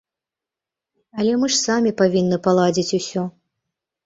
Але мы ж самі павінны паладзіць усё.